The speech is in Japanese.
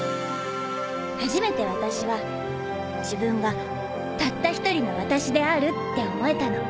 初めて私は自分がたった一人の私であるって思えたの。